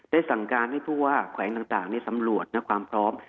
ได้สั่งการให้ผู้ว่าแขวงต่างเนี่ยสำหรวจนะความพร้อม